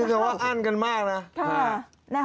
คือการอ้างกันมากค่ะ